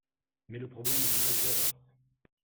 mais le problème est majeur